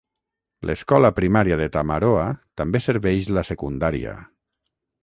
L'escola primària de Tamaroa també serveix la secundària.